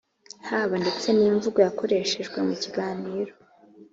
haba ndetse n'imvugo yakoreshejwe mu kiganiro,